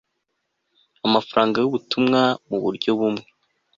amafaranga y ubutumwa mu buryo bumwe